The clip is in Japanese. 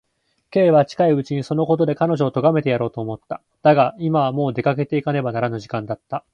Ｋ は近いうちにそのことで彼女をとがめてやろうと思った。だが、今はもう出かけていかねばならぬ時間だった。